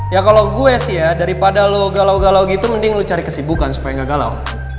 ya kalau gue sih ya daripada lo galau galau gitu mending lu cari kesibukan supaya nggak galau